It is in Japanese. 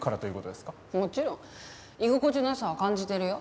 もちろん居心地の良さは感じてるよ。